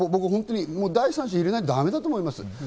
本当に第三者を入れないとだめだと思います。